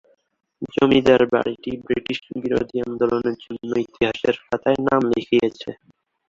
জমিদার বাড়িটি ব্রিটিশ বিরোধী আন্দোলনের জন্য ইতিহাসের খাতায় নাম লিখিয়েছে।